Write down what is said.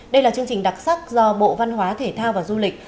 đây là chương trình đặc sắc do bộ văn hóa thể thao và du lịch